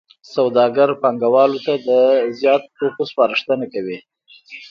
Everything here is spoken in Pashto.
سوداګر پانګوالو ته د زیاتو توکو سپارښتنه کوي